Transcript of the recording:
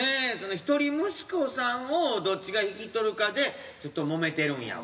一人息子さんをどっちが引き取るかでずっともめてるんやわ。